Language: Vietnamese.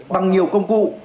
bằng nhiều công cụ